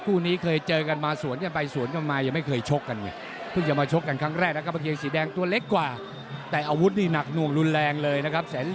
คู่นี้ไม่เคยเจอกันมาก่อนนะครับ